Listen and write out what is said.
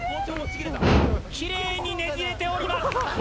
きれいにねじれております。